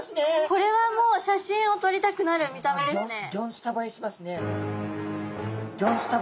これはもう写真をとりたくなる見た目ですね。